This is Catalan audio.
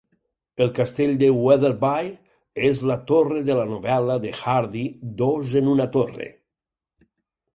El castell de Weatherby és la "torre" de la novel·la de Hardy " Dos en una torre".